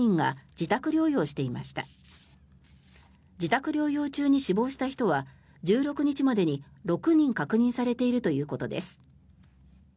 自宅療養中に死亡した人は１６日までに６人確認されているということです。